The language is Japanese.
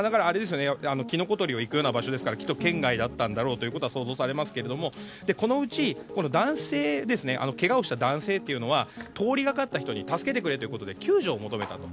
キノコ採りに行くような場所ですからきっと圏外だったんだろうと想像されますけどもこのうちけがをした男性は通りがかった人に助けてくれということで救助を求めたと。